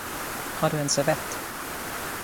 Har du en servett?